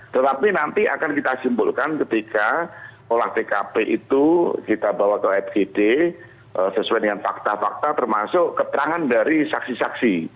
tetapi nanti akan kita simpulkan ketika olah tkp itu kita bawa ke fgd sesuai dengan fakta fakta termasuk keterangan dari saksi saksi